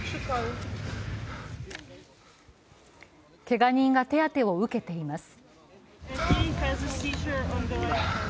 けが人が手当てを受けています。